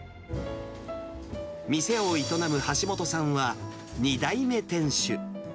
店を営む橋本さんは、２代目店主。